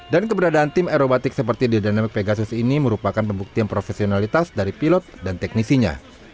dan keberadaan tim aerobatik seperti the dynamic pegasus ini merupakan pembuktian profesionalitas dari pilot dan teknisinya